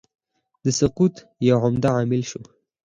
د سقوط یو عمده عامل شو.